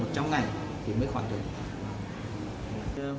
tức là một trăm linh ngày thì mới hoàn thành